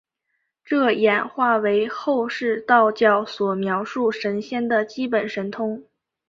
这演化为后世道教所描述神仙的基本神通。